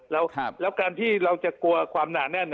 แล้วการที่เราจะกลัวความหนาแน่น